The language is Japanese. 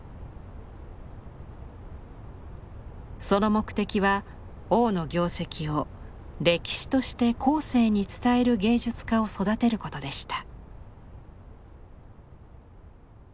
その目的は王の業績を歴史として後世に伝える芸術家を育てることでした。